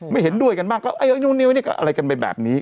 ไม่เห็นด้วยกันบ้างอะไรกันไปแบบนี้